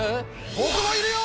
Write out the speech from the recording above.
僕もいるよ！